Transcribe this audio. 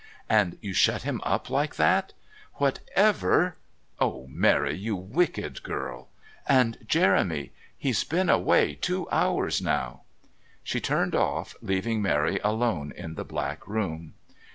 "And you shut him up like that? Whatever Oh, Mary, you wicked girl! And Jeremy He's been away two hours now " She turned off, leaving Mary alone in the black room.